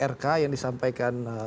rk yang disampaikan